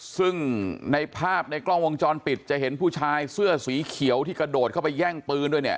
ซึ่งในภาพในกล้องวงจรปิดจะเห็นผู้ชายเสื้อสีเขียวที่กระโดดเข้าไปแย่งปืนด้วยเนี่ย